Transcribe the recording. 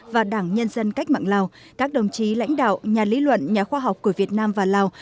và đảng nhân dân cách mạng lào các đồng chí lãnh đạo nhà lý luận nhà khoa học của việt nam và lào